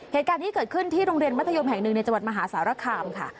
เหตุการณ์นี้เกิดขึ้นที่โรงเรียนมัธยมแห่งหนึ่งในจังหวัดมหาสารคามค่ะ